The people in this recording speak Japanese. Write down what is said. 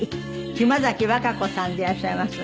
島崎和歌子さんでいらっしゃいます。